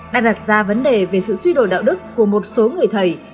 đã đặt ra vấn đề về sự suy đổi đạo đức của một số người thầy